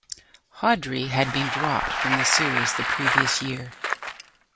Hawtrey had been dropped from the series the previous year.